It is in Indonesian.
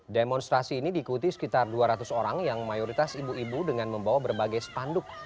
demonstrasi ini diikuti sekitar dua ratus orang yang mayoritas ibu ibu dengan membawa berbagai spanduk